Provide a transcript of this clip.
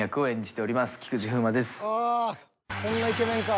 ああこんなイケメンか。